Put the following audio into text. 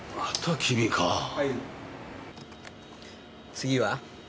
次は？